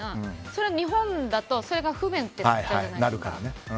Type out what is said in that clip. それは日本だと不便ってことじゃないですか。